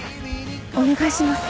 お願いします。